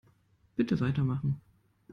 Bitte weitermachen.